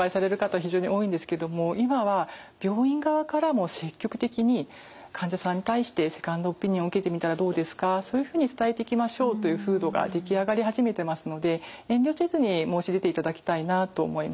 非常に多いんですけども今は病院側からも積極的に患者さんに対してセカンドオピニオン受けてみたらどうですかそういうふうに伝えていきましょうという風土が出来上がり始めてますので遠慮せずに申し出ていただきたいなと思います。